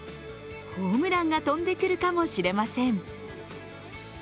ホームランが飛んでくるかもしれません。